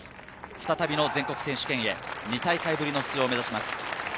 再びの全国選手権へ、２大会ぶりの出場を目指します。